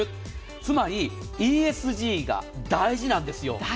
つまりＥＳＧが大事なんですよ。